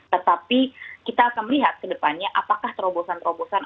tetapi kita akan melihat ke depannya apakah terobosan terobosan